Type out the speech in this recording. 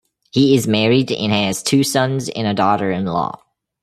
He is married and has two sons and a daughter-in-law.